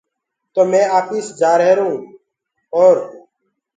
تو مي آپيس جآهرون اور